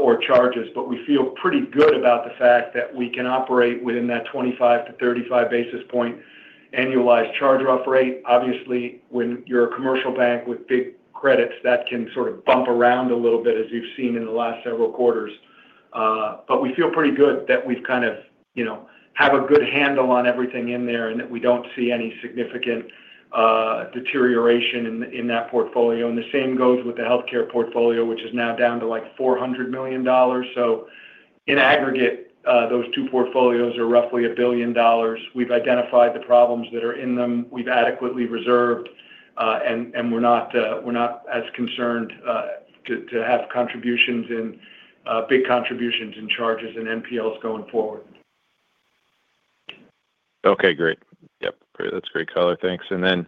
[SPEAKER 3] or charges, but we feel pretty good about the fact that we can operate within that 25-35 basis points annualized charge-off rate. Obviously when you're a commercial bank with big credits that can sort of bump around a little bit as you've seen in the last several quarters. But we feel pretty good that we've kind of, you know, have a good handle on everything in there and that we don't see any significant deterioration in that portfolio. And the same goes with the health care portfolio which is now down to like $400 million. So in aggregate those two portfolios are roughly $1 billion. We've identified the problems that are in them. We've adequately reserved and we're not, we're not as concerned to have contributions in big contributions in charges and NPLs going forward.
[SPEAKER 12] Okay, great. Yep, that's great. Color. Thanks. And then,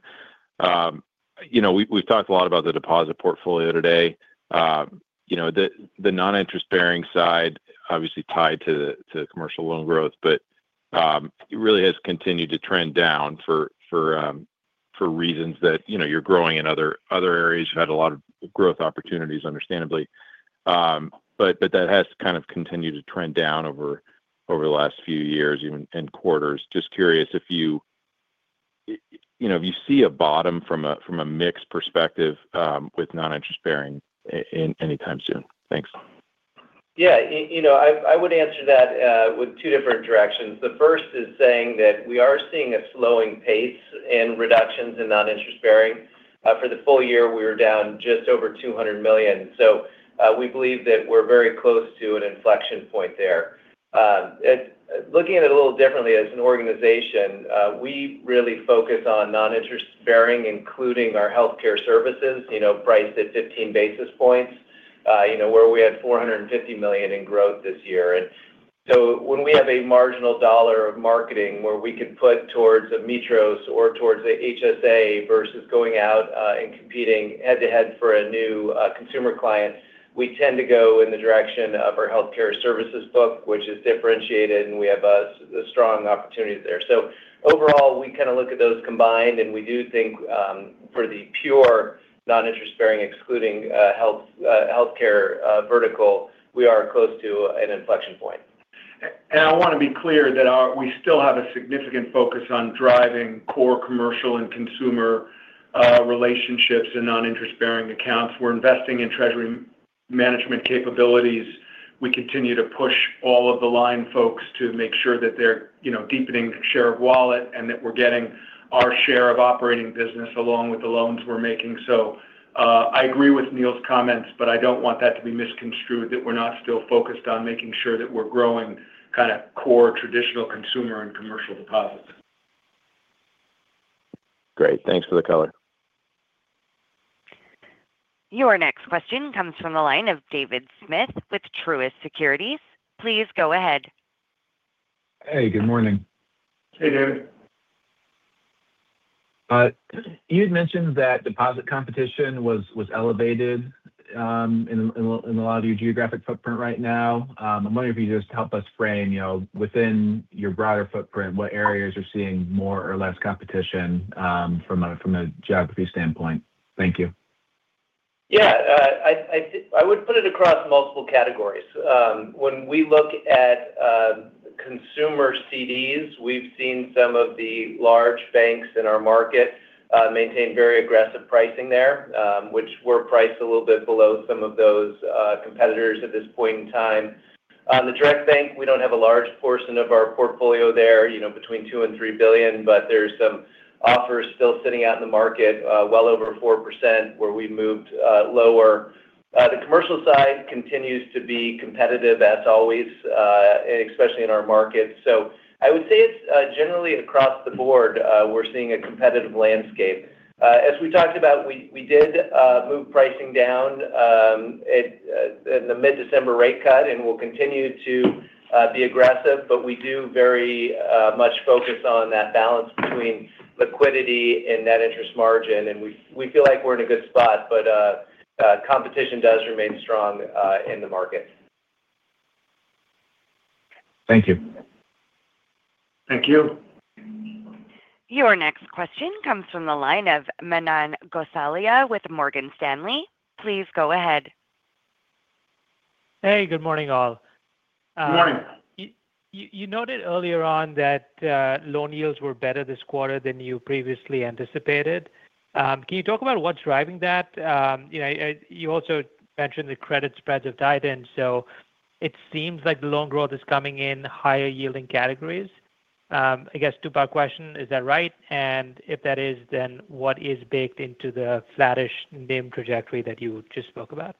[SPEAKER 12] you know, we've talked a lot about the deposit portfolio today. You know, the non-interest-bearing side obviously tied to commercial loan growth, but it really has continued to trend down for reasons that you're growing in other areas. You had a lot of growth opportunities, understandably, but that has kind of continued to trend down over the last few years, even in quarters. Just curious if you. See a bottom. From a mix perspective with non-interest-bearing anytime soon. Thanks.
[SPEAKER 5] Yeah. You know, I would answer that with two different directions. The first is saying that we are seeing a slowing pace in reductions in non-interest-bearing. For the full year we were down just over $200 million. So we believe that we're very close to an inflection point there. Looking at it a little differently as an organization, we really focus on non-interest-bearing including our healthcare services including priced at 15 basis points where we had $450 million in growth this year. So when we have a marginal dollar of marketing where we could put towards Ametros or towards the HSA versus going out and competing head to head for a new consumer client, we tend to go in the direction of our healthcare services book which is differentiated and we have strong opportunities there. Overall we kind of look at those combined and we do think for the pure non-interest bearing, excluding health care vertical we are close to an inflection point.
[SPEAKER 3] I want to be clear that we still have a significant focus on driving core commercial and consumer relationships and non-interest-bearing accounts. We're investing in treasury management capabilities. We continue to push all of the line folks to make sure that they're deepening their share of wallet and that we're getting our share of operating business along with the loans we're making. I agree with Neal's comments, but I don't want that to be misconstrued that we're not still focused on making sure that we're growing kind of core traditional consumer and commercial deposits.
[SPEAKER 12] Great, thanks for the color.
[SPEAKER 1] Your next question comes from the line of David Smith with Truist Securities. Please go ahead.
[SPEAKER 13] Hey, good morning.
[SPEAKER 3] Hey, David.
[SPEAKER 13] You had mentioned that deposit. Competition was elevated in a lot of. Your geographic footprint right now. I'm wondering if you just help us. Frame within your broader footprint what areas are seeing more or less competition from a geography standpoint? Thank you.
[SPEAKER 5] Yeah, I would put it across multiple categories. When we look at consumer CDs, we've seen some of the large banks in our market maintain very aggressive pricing. They were priced a little bit below some of those competitors at this point in time. The direct bank, we don't have a large portion of our portfolio there, you know, between $2 billion and $3 billion. But there's some offers still sitting out in the market well over 4% where we moved lower. The commercial side continues to be competitive as always, especially in our markets. So I would say it's generally across the board we're seeing a competitive landscape. As we talked about, we did move pricing down in the mid-December rate cut and we'll continue to be aggressive. But we do very much focus on that balance between liquidity and net interest margin. We feel like we're in a good spot. Competition does remain strong in the market.
[SPEAKER 13] Thank you.
[SPEAKER 3] Thank you.
[SPEAKER 1] Your next question comes from the line of Manan Gosalia with Morgan Stanley. Please go ahead.
[SPEAKER 14] Hey, good morning all.
[SPEAKER 3] Morning.
[SPEAKER 14] You noted earlier on that loan yields were better this quarter than you previously anticipated. Can you talk about what's driving that? You also mentioned the credit spreads have tied in. So it seems like the loan growth is coming in higher yielding categories, I guess to our question, is that right? And if that is, then what is baked into the flattish NIM trajectory that you just spoke about?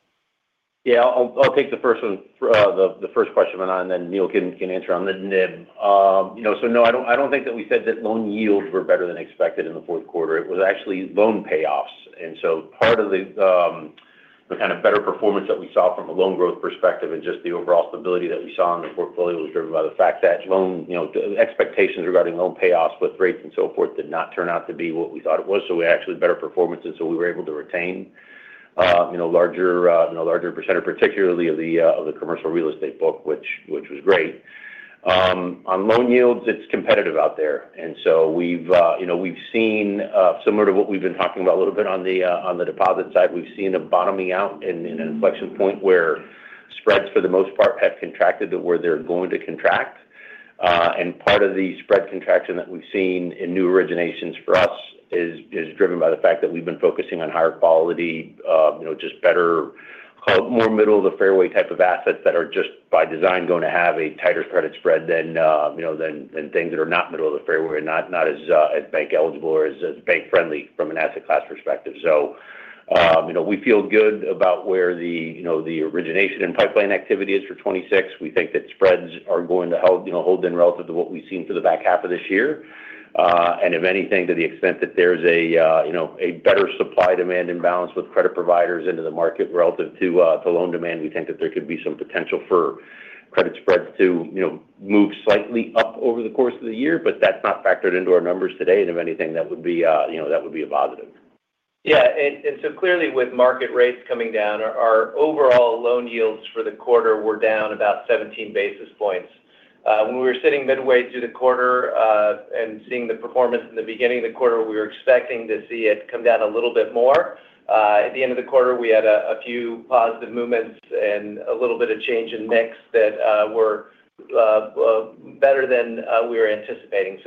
[SPEAKER 4] Yeah, I'll take the first one, the first question, and then Neal can answer on the NIM. So no, I don't think that we said that loan yields were better than expected in the fourth quarter. It was actually loan payoffs. And so part of the kind of better performance that we saw from a loan growth perspective and just the overall stability that we saw in the portfolio was driven by the fact that loan, you know, expectations regarding loan payoffs with rates and so forth did not turn out to be what we thought it was. So we actually better performances. So we were able to retain, you know, larger, larger percentage, particularly of the, of the commercial real estate book which, which was great on loan yields. It's competitive out there. And so we've seen similar to what we've been talking about a little bit on the deposit side. We've seen a bottoming out in an inflection point where spreads for the most part have contracted to where they're going to contract. And part of the spread contraction that we've seen in new originations for us is driven by the fact that we've been focusing on higher quality, just better, more middle of the fairway type of assets that are just by design going to have a tighter credit spread than, and things that are not middle of the fairway, not as bank eligible or as bank friendly from an asset class perspective. So, you know, we feel good about where the, you know, the origination and pipeline activity is for 2026. We think that spreads are going to help, you know, hold in relative to what we've seen for the back half of this year. And if anything, to the extent that there's a, you know, a better supply, demand imbalance with credit providers into the market relative to the loan demand, we think that there could be some, some potential for credit spreads to move slightly up over the course of the year. But that's not factored into our numbers today. And if anything, that would be, you know, that would be a positive.
[SPEAKER 5] Yeah. Clearly, with market rates coming down, our overall loan yields for the quarter were down about 17 basis points. When we were sitting midway through the quarter and seeing the performance in the beginning of the quarter, we were expecting to see it come down a little bit more at the end of the quarter. We had a few positive movements and a little bit of change in mix that were better than we were anticipating.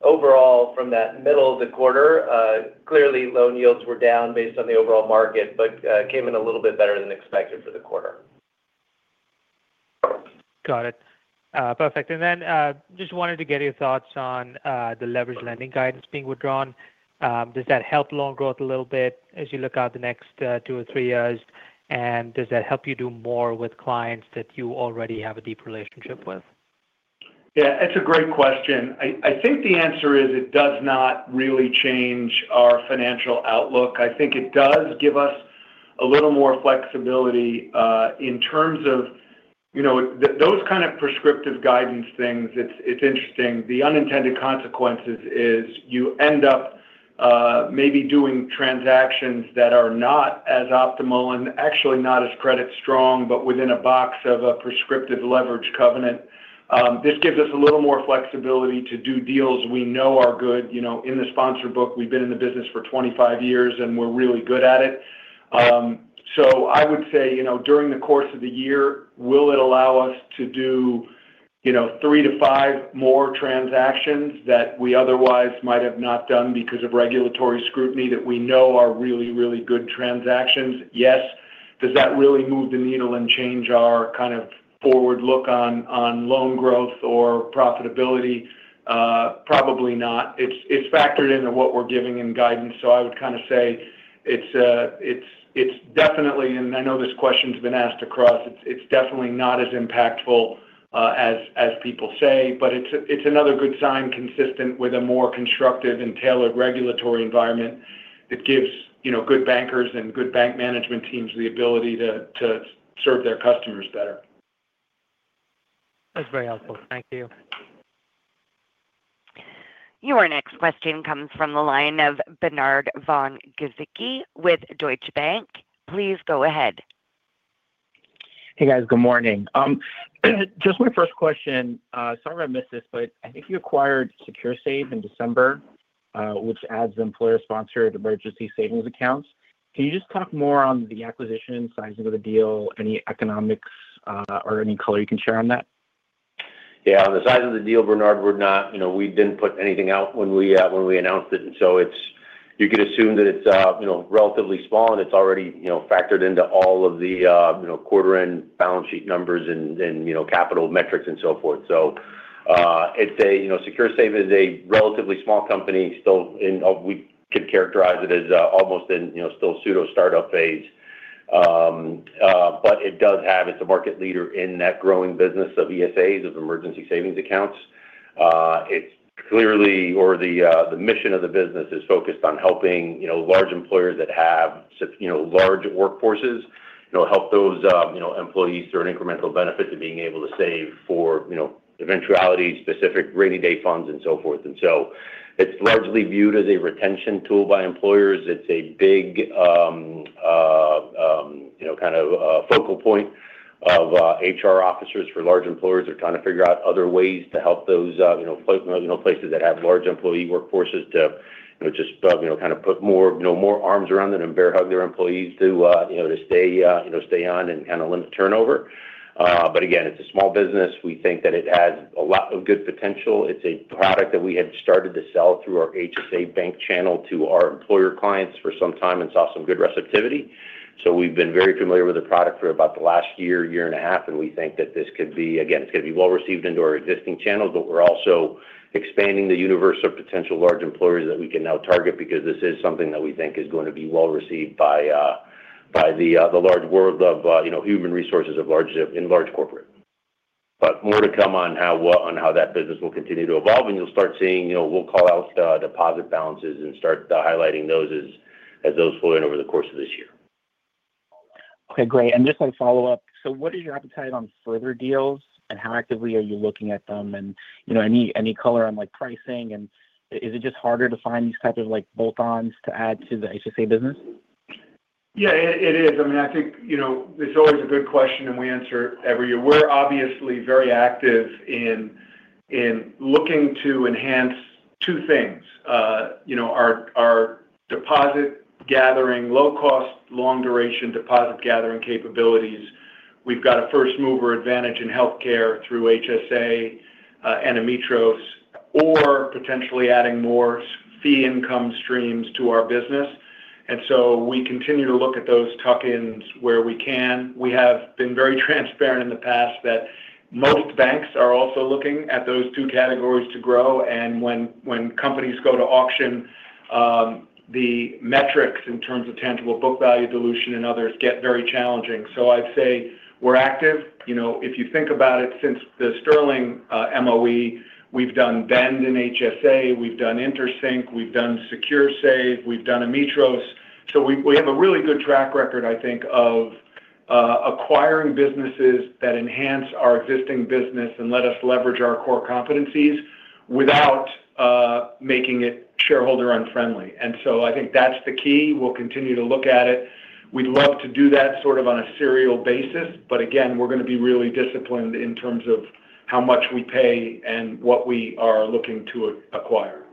[SPEAKER 5] Overall from that middle of the quarter, clearly loan yields were down based on the overall market, but came in a little bit better than expected for the quarter.
[SPEAKER 14] Got it perfect. And then just wanted to get your thoughts on the leveraged lending guidance being withdrawn? Does that help loan growth a little? But as you look out the next two or three years, and does that help you do more with clients that. You already have a deep relationship with?
[SPEAKER 3] Yeah, it's a great question. I think the answer is it does not really change our financial outlook. I think it does give us a little more flexibility in terms of, you know, those kind of prescriptive guidance things. It's interesting the unintended consequences is you end up maybe doing transactions that are not as optimal and actually not as credit strong, but within a box of a prescriptive leverage covenant. This gives us a little more flexibility to do deals we know are good. You know, in the sponsor book, we've been in the business for 25 years and we're really good at it. So I would say, you know, during the course of the year, will it allow us to do, you know, 3-5 more transactions that we otherwise might have not done because of regulatory scrutiny that we know are really, really good transactions?
[SPEAKER 5] Yes.
[SPEAKER 14] Does that really move the needle and change our kind of forward look on loan growth or profitability?
[SPEAKER 3] Probably not. It's factored into what we're giving in guidance. So I would kind of say it's definitely, and I know this question's been asked across. It's definitely not as impactful as people say, but it's another good sign consistent with a more constructive and tailored regulatory environment that gives good bankers and good bank management teams the ability to serve their customers better.
[SPEAKER 14] That's very helpful, thank you.
[SPEAKER 1] Your next question comes from the line of Bernard von-Gizycki with Deutsche Bank. Please go ahead.
[SPEAKER 15] Hey guys, good morning. Just my first question, sorry I missed this but I think you acquired SecureSave in December which adds employer sponsored emergency savings accounts. Can you just talk more on the? Acquisition sizing of the deal, any economics or any color you can share on that?
[SPEAKER 4] Yeah. On the size of the deal, Bernard. We're not, you know, we didn't put anything out when we, when we announced it in terms of. So it's, you could assume that it's relatively small and it's already factored into all of the quarter-end balance sheet numbers and capital metrics and so forth. So it's a SecureSave is a relatively small company still. We could characterize it as almost in still pseudo startup phase but it does have, it's a market leader in that growing business of ESAs of emergency savings accounts. It's clearly or the mission of the business is focused on helping you know, large employers that have, you know, large workforces, you know, help those, you know, employees through an incremental benefit to being able to save for you know, eventuality specific rainy day funds and so forth. And so it's largely viewed as a retention tool by employers. It's a big, you know, kind of focal point point of HR officers for large employers are trying to figure out other ways to help those you know, places that have large employee workforces to just kind of put more arms around them and bear hug their employees to you know, to stay, you know, stay on and kind of limit turnover. But again it's a small business. We think that it has a lot of good potential. It's a product that we had started to sell through our HSA Bank channel to our employer clients for some time and saw some good receptivity. So we've been very familiar with the product for about the last year, year and a half and we think that this could be. Again, it's going to be well received into our existing channels. But we're also expanding the universe of potential large employers that we can now target because this is something that we think is going to be well received by the large world of human resources in large corporate. But more to come on how that business will continue to evolve and you'll start seeing. We'll call out deposit balances and start highlighting those as those flow in over the course of this year.
[SPEAKER 15] Okay, great. Just a follow up. What is your appetite on further deals and how actively are you looking at them and you know any color on like pricing and is it just harder to find these type of like bolt-ons to add to the HSA business?
[SPEAKER 3] Yeah, it is. I mean I think you know it's always a good question and we answer every year. We're obviously very active in, in looking to enhance two things: our deposit gathering, low-cost, long-duration deposit gathering capabilities. We've got a first-mover advantage in healthcare through HSA and Ametros or potentially adding more fee income streams to our business. We continue to look at those tuck-ins where we can, where we have been very transparent in the past that most banks are also looking at those two categories to grow and when companies go to auction the metrics in terms of tangible book value dilution and others get very challenging. I'd say we're active. If you think about it, since the Sterling MOE, we've done Bend in HSA, we've done InterSync, we've done SecureSave, we've done Ametros. So we have a really good track record I think of acquiring businesses that enhance our existing business and let us leverage our core competencies without making it shareholder unfriendly. And so I think that's the key. We'll continue to look at it. We'd love to do that sort of on a serial basis but again we're going to be really disciplined in terms of how much we pay and what we are looking to acquire.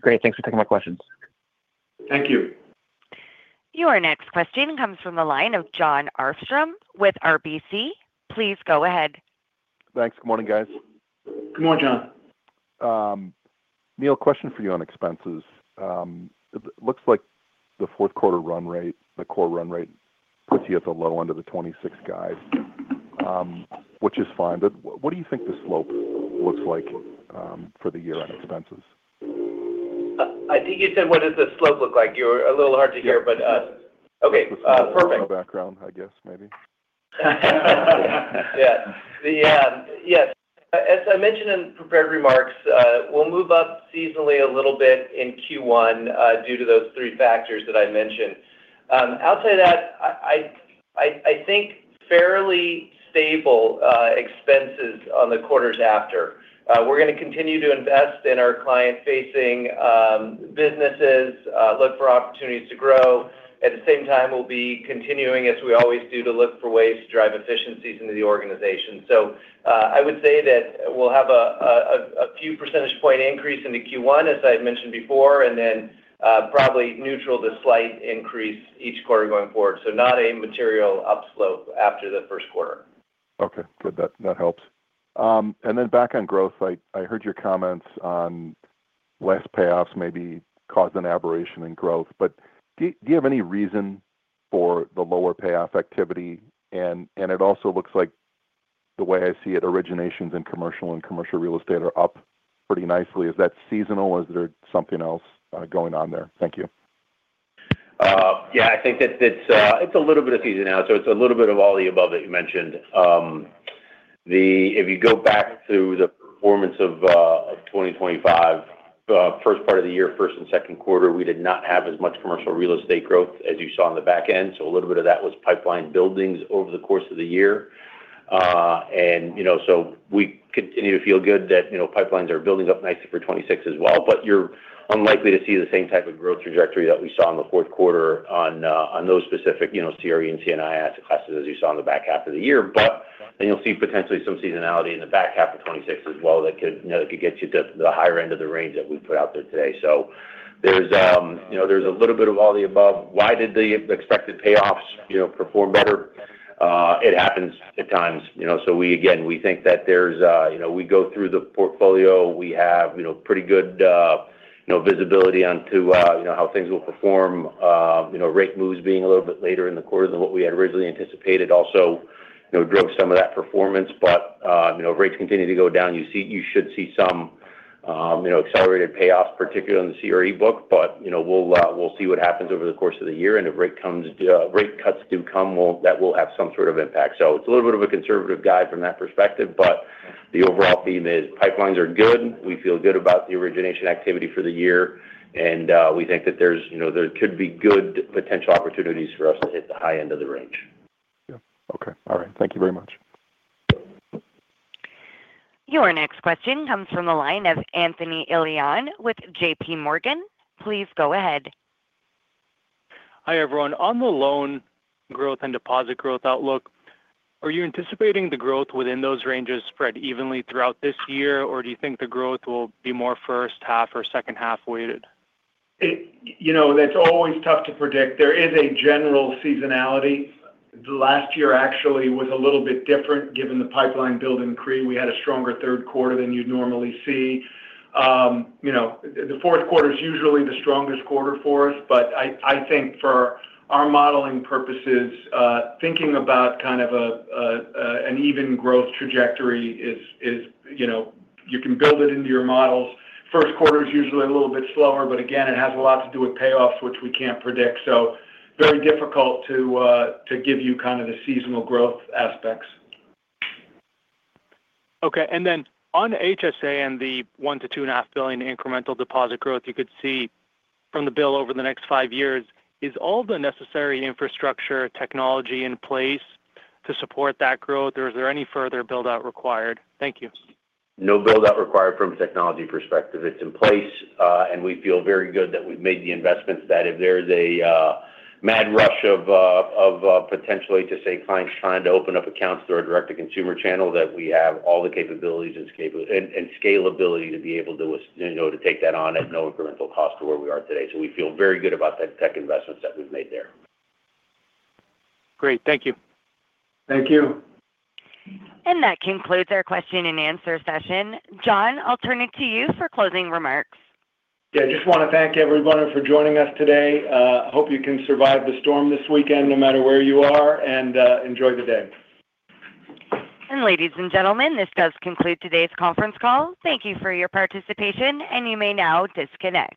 [SPEAKER 15] Great, thanks for taking my questions. Thank you.
[SPEAKER 1] Your next question comes from the line of Jon Arfstrom with RBC. Please go ahead.
[SPEAKER 16] Thanks. Good morning guys.
[SPEAKER 3] Good morning Jon.
[SPEAKER 16] Neal, question for you. On expenses, it looks like the fourth quarter run rate. The core run rate puts you at the low end of the 2026 guide which is fine. What do you think the slope looks like for the year on expenses?
[SPEAKER 5] I think you said what does the slope look like? You were a little hard to hear but okay.
[SPEAKER 16] Perfect background I guess maybe.
[SPEAKER 5] Yeah. Yes. As I mentioned in prepared remarks, we'll move up seasonally a little bit in Q1 due to those three factors that I mentioned. Outside of that, I think fairly stable expenses on the quarters after. We're going to continue to invest in our client-facing businesses, look for opportunities to grow at the same time we'll be continuing, as we always do, to look for ways to drive efficiencies into the organization. So I would say that we'll have a few percentage point increase in the Q1, as I mentioned before, and, and then probably neutral to slight increase each quarter going forward. So not a material upslope after the first quarter.
[SPEAKER 16] Okay, good, that helps. And then back on growth. I heard your comments on less payoffs. Maybe caused an aberration in growth, but do you have any reason for the lower payoff activity? It also looks like the way I see it, originations and commercial and commercial real estate are up pretty nicely. Is that seasonal? Is there something else going on there? Thank you.
[SPEAKER 4] Yeah, I think that it's a little bit of seasonality. So it's a little bit of all the above that you mentioned. If you go back to the performance of 2025, first part of the year, first and second quarter, we did not have as much commercial real estate growth as you saw on the back end. So a little bit of that was pipeline buildings over the course of the year. And you know, so we continue to feel good that, you know, pipelines are building up nicely for 2026 as well. But you're unlikely to see the same type of growth trajectory that we saw in the fourth quarter on those specific, you know, CRE and C&I asset classes as you saw in the back half of the year. But then you'll see potentially some seasonality in the back half of 2026 as well. That could get you to the higher end of the range that we put out there today. So there's, you know, there's a little bit of all the above. Why did the expected payoffs, you know, perform better? It happens at times, you know, so we again, we think that there's, you know, we go through the portfolio, we have, you know, pretty good, you know, visibility on to, you know, how things will perform. You know, rate moves being a little bit later in the quarter than what we had originally anticipated. Also, you know, drove some of that performance. But, you know, rates continue to go down. You see, you should see some, you know, accelerated payoffs, particularly on the street. But, you know, we'll, we'll see what happens over the course of the year. And if rate comes, rate cuts do come, well, that will have some sort of impact. So it's a little bit of a conservative guide from that perspective. But the overall theme is pipelines are good. We feel good about the origination activity for the year and we think that there's, you know, there could be good potential opportunities for us to hit the high end of the range.
[SPEAKER 16] Okay. All right, thank you very much.
[SPEAKER 1] Your next question comes from the line of Anthony Elian with J.P. Morgan. Please go ahead.
[SPEAKER 17] Hi everyone. On the loan growth and deposit growth. Outlook, are you anticipating the growth within? Those ranges spread evenly throughout this year. Or do you think the growth will be more first half or second half weighted?
[SPEAKER 3] You know that's always tough to predict. There is a general seasonality. Last year actually was a little bit different given the pipeline building in CRE. We had a stronger third quarter than you'd normally see. You know, the fourth quarter is usually the strongest quarter for us. But I think for our modeling purposes, thinking about kind of an even growth trajectory is, you know, you can build it into your models first quarter is usually a little bit slower. But again it has a lot to do with payoffs which we can't predict. So very difficult to give you kind of the seasonal growth aspects.
[SPEAKER 17] Okay. And then on HSA and the $1 billion-$2.5 billion incremental. Deposit growth you could see from the bill over the next five years. Is all the necessary infrastructure technology in place? To support that growth or is there? Any further buildout required? Thank you.
[SPEAKER 4] No build out required. From a technology perspective. It's in place and we feel very good that we've made the investments that if there's a mad rush of potentially to say, clients trying to open up accounts through our direct to consumer channel, that we have all the capabilities and scalability to be able to take that on at no incremental cost to where we are today. So we feel very good about that tech investments that we've made there.
[SPEAKER 17] Great, thank you.
[SPEAKER 3] Thank you.
[SPEAKER 1] That concludes our question-and-answer session. John, I'll turn it to you for closing remarks.
[SPEAKER 3] Yes, just want to thank everyone for joining us today. Hope you can survive the storm this weekend no matter where you are and enjoy the day.
[SPEAKER 1] Ladies and gentlemen, this does conclude today's conference call. Thank you for your participation and you may now disconnect.